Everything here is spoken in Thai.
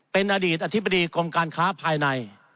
เป็นอดีตอธิบดีกรมการค้าภายใน